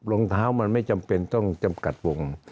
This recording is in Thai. รองเท้ามันไม่จำเป็นต้องจำกัดวง